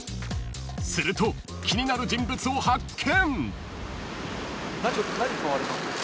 ［すると気になる人物を発見］